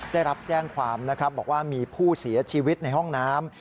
ได้รับแจ้งความนะครับบอกว่ามีผู้เสียชีวิตในห้องน้ำ